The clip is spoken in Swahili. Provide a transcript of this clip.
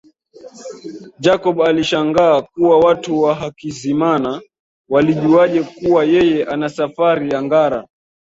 Jacob alishangaa kuwa watu wa Hakizimana walijuaje kuwa yeye ana safari ya Ngara